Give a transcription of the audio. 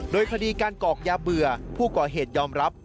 โดยคดีการกอกยาเบื่อผู้ก่อเหตุยอมรับ